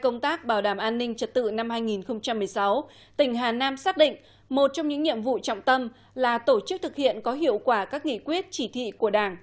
năm hai nghìn một mươi sáu tỉnh hà nam xác định một trong những nhiệm vụ trọng tâm là tổ chức thực hiện có hiệu quả các nghị quyết chỉ thị của đảng